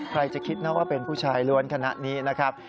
ใครจะคิดนะว่าเป็นผู้ชายล้วนคณะนี้นะครับ